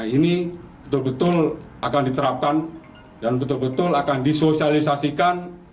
ini betul betul akan diterapkan dan betul betul akan disosialisasikan